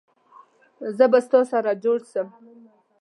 زه به ستا سره جوړ سم